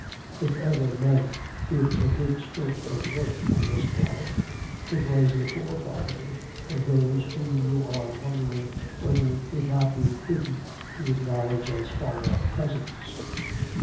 If ever men did a good stroke of work on this planet, it was the forefathers of those whom you are wondering whether it would not be prudent to acknowledge as far off cousins.